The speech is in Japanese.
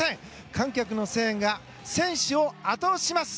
観客の声援が選手をあと押しします！